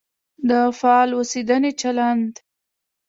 د فعال اوسېدنې چلند.